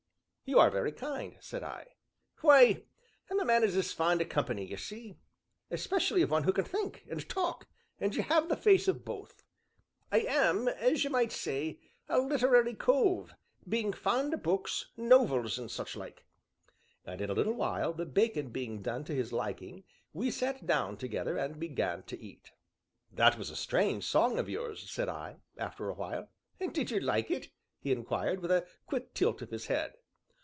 "You are very kind!" said I. "Why, I'm a man as is fond o' company, y' see especially of one who can think, and talk, and you have the face of both. I am as you might say a literary cove, being fond o' books, nov els, and such like." And in a little while, the bacon being done to his liking, we sat down together, and began to eat. "That was a strange song of yours," said I, after a while. "Did you like it?" he inquired, with a quick tilt of his head.